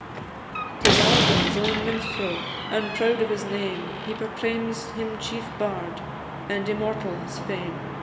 'Tis Albyn's own minstrel! and, proud of his name, He proclaims him chief bard, and immortal his fame!